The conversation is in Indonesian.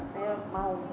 pas disuruh apapun mau